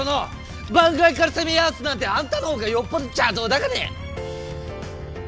盤外から攻めやすなんてあんたの方がよっぽど邪道だがね！